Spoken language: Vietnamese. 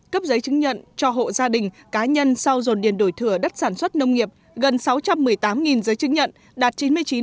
cấp giấy chứng nhận cho hộ gia đình cá nhân sau dồn điền đổi thừa đất sản xuất nông nghiệp gần sáu trăm một mươi tám giấy chứng nhận đạt chín mươi chín